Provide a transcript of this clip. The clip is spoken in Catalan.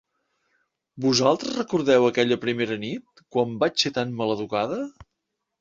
Vosaltres recordeu aquella primera nit, quan vaig ser tant maleducada?